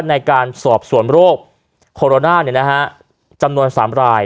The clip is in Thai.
ในการสอบสวนโรคโคโรน่าเนี่ยนะฮะจำนวนสามราย